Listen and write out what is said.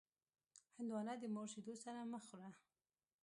هندوانه د مور شیدو سره مه خوره.